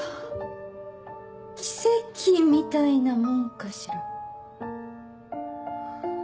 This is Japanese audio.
奇跡みたいなもんかしら。